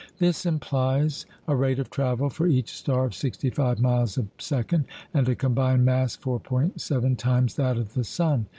This implies a rate of travel for each star of sixty five miles a second, and a combined mass 4·7 times that of the sun.